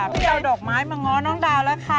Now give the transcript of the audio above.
พี่เอาดอกไม้มาง้อน้องดาวแล้วค่ะ